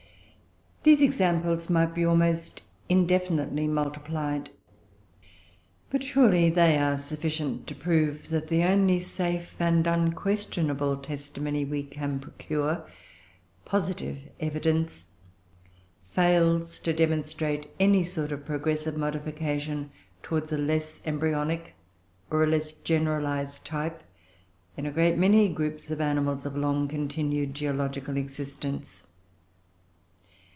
These examples might be almost indefinitely multiplied, but surely they are sufficient to prove that the only safe and unquestionable testimony we can procure positive evidence fails to demonstrate any sort of progressive modification towards a less embryonic, or less generalised, type in a great many groups of animals of long continued geological existence.